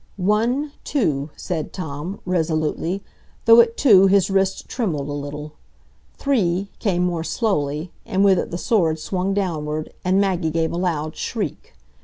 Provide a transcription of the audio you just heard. "One—two," said Tom, resolutely, though at "two" his wrist trembled a little. "Three" came more slowly, and with it the sword swung downward, and Maggie gave a loud shriek.